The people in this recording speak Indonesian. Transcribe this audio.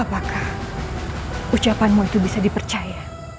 apakah ucapanmu itu bisa dipercaya